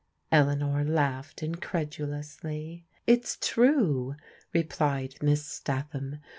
Eleanor laughed incredulously. " It's true/' replied Miss Statham.